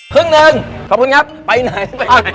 ครึ่งหนึ่งขอบคุณครับไปไหนไป